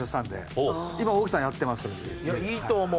いやいいと思う。